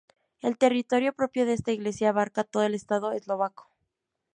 El territorio propio de esta Iglesia abarca todo el Estado eslovaco.